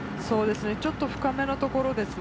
ちょっと深めのところですね。